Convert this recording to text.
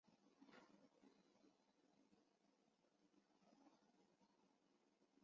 炮管本身的旋转则是由飞机携带的双液压系统驱动。